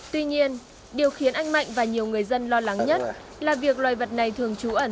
tuy nhiên điều khiến anh mạnh và nhiều người dân lo lắng nhất là việc loài vật này thường trú ẩn